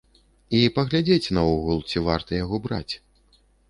І паглядзець наогул, ці варта яго браць.